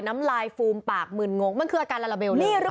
น้ำลายฟูมปากหมื่นงงมันคืออาการลาลาเบล